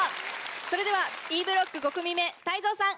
それではＥブロック５組目泰造さん